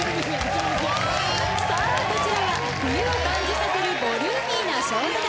さあこちらは冬を感じさせるボリューミーなショート丈。